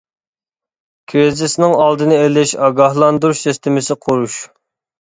كىرىزىسنىڭ ئالدىنى ئېلىش ئاگاھلاندۇرۇش سىستېمىسى قۇرۇش.